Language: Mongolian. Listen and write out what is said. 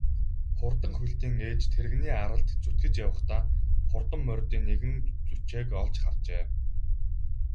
Хурдан хөлтийн ээж тэрэгний аралд зүтгэж явахдаа хурдан морьдын нэгэн жүчээг олж харжээ.